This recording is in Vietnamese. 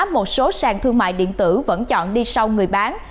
một số sàn thương mại điện tử vẫn chọn đi sau người bán